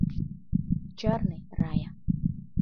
— Чарне, Рая.